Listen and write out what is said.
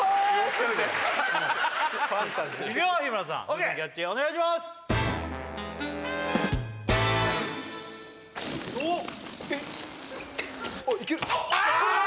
いくよ日村さん風船キャッチお願いしますあーっ！